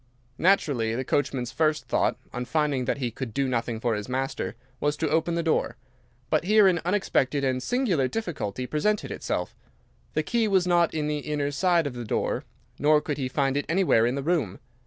"Naturally, the coachman's first thought, on finding that he could do nothing for his master, was to open the door. But here an unexpected and singular difficulty presented itself. The key was not in the inner side of the door, nor could he find it anywhere in the room.